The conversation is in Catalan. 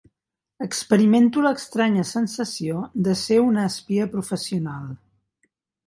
Experimento l'estranya sensació de ser una espia professional.